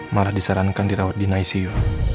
malah disarankan dirawat di icu